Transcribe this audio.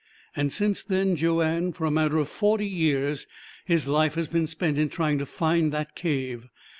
And since then, Joanne for a matter of forty years his life has been spent in trying to find that cave.